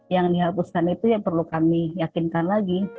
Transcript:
yang dihapuskan itu yang perlu kami yakinkan lagi